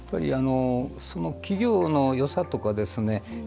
その企業のよさとかですね